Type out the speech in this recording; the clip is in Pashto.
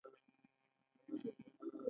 د پښتو د مرګ مخه دې ونیسو.